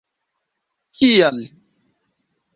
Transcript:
kial